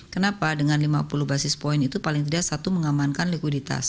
kenapa dengan lima puluh basis point itu paling tidak satu mengamankan likuiditas